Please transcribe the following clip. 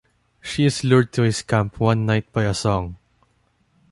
She is lured to his camp one night by a song.